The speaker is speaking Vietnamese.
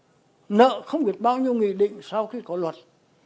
rồi rất chậm nợ không được bao nhiêu nghĩ định sau khi có luật